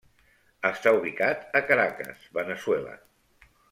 Està ubicat a Caracas, Veneçuela.